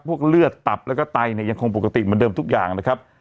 เลือดตับแล้วก็ไตเนี่ยยังคงปกติเหมือนเดิมทุกอย่างนะครับ